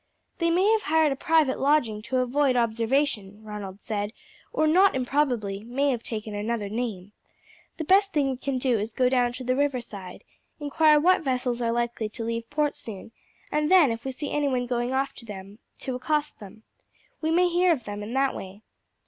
"They may have hired a private lodging to avoid observation," Ronald said, "or, not improbably, may have taken another name. The best thing we can do is to go down to the river side, inquire what vessels are likely to leave port soon, and then, if we see anyone going off to them, to accost them. We may hear of them in that way."